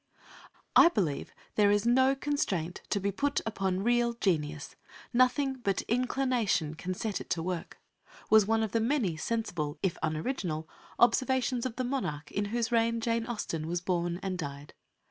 "I believe there is no constraint to be put upon real genius; nothing but inclination can set it to work," was one of the many sensible, if unoriginal, observations of the monarch in whose reign Jane Austen was born and died.